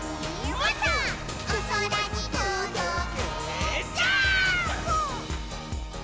「おそらにとどけジャンプ！！」